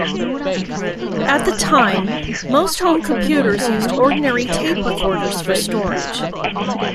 At the time, most home computers used ordinary tape recorders for storage.